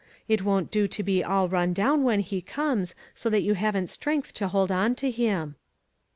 It won't do to be all run down when he comes, so that you haven't strength to hold on to him."